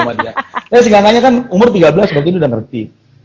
ya seenggak enggaknya kan umur tiga belas waktu itu udah ngerti